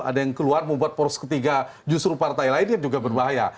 ada yang keluar membuat poros ketiga justru partai lain yang juga berbahaya